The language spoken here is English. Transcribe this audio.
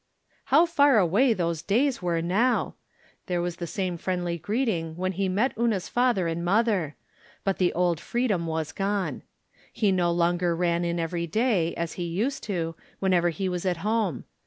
How far away those days were now ! There was the same friendly greeting when he met Una's father and mother ; but the old freedom was gone. He no longer ran in every day as he used to, whenever he was at home.